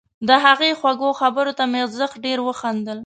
د هغې خوږو خبرو ته مې زښت ډېر وخندل